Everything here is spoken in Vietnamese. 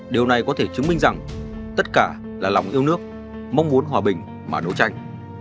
điều này có thể chứng minh rằng tất cả là lòng yêu nước mong muốn hòa bình mà đấu tranh